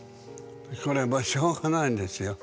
これもしょうがないんですよ。